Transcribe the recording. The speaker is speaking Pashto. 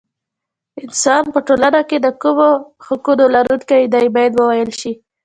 انسان په ټولنه کې د کومو حقونو لرونکی دی باید وویل شي.